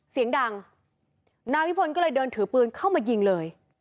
เสียงดังนายวิพลก็เลยเดินถือปืนเข้ามายิงเลย